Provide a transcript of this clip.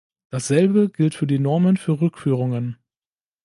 Dasselbe gilt für die Normen für Rückführungen.